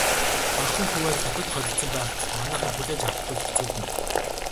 Багахан хувиар Хятад холилдсон байхад л манайхан хүлээж авахгүй хэцүүднэ.